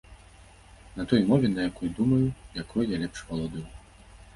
На той мове, на якой думаю, якой я лепш валодаю.